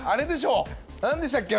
なんでしたっけ？